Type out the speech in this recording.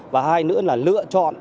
và hai nữa là lựa chọn